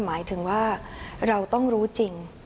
หมายถึงว่าเราต้องรู้จริง